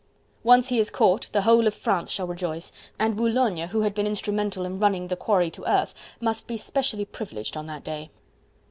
Once he is caught the whole of France shall rejoice, and Boulogne, who had been instrumental in running the quarry to earth, must be specially privileged on that day.